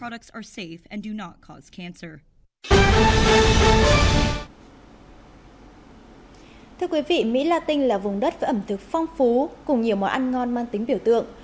thưa quý vị mỹ la tinh là vùng đất với ẩm thực phong phú cùng nhiều món ăn ngon mang tính biểu tượng